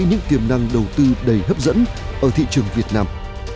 những tiềm năng đầu tư đầy hấp dẫn ở thị trường việt nam